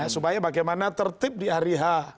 supaya bagaimana tertib di hari h